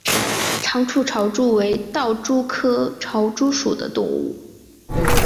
长触潮蛛为盗蛛科潮蛛属的动物。